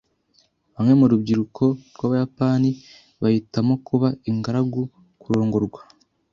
Bamwe mu rubyiruko rwabayapani bahitamo kuba ingaragu kurongorwa.